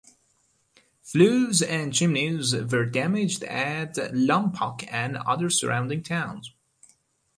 Flues and chimneys were damaged at Lompoc and other surrounding towns.